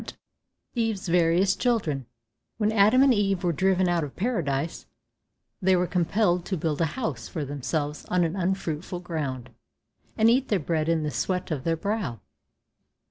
180 Eve's Various Children When Adam and Eve were driven out of Paradise, they were compelled to build a house for themselves on unfruitful ground, and eat their bread in the sweat of their brow.